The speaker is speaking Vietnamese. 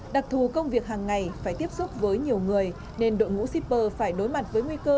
đặc thù công việc hàng ngày phải tiếp xúc với nhiều người nên đội ngũ shipper phải đối mặt với nguy cơ